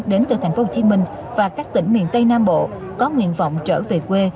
đến từ tp hcm và các tỉnh miền tây nam bộ có nguyện vọng trở về quê